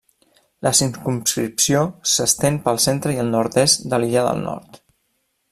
La circumscripció s'estén pel centre i el nord-est de l'illa del Nord.